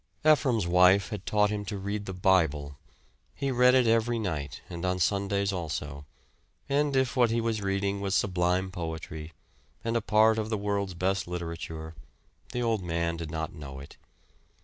Ephraim's wife had taught him to read the Bible. He read it every night, and on Sundays also; and if what he was reading was sublime poetry, and a part of the world's best literature, the old man did not know it.